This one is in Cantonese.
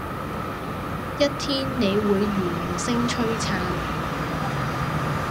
一天你會如明星璀璨